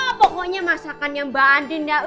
waaa pokoknya masakan yang mbak andin gak